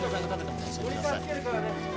・モニターつけるからね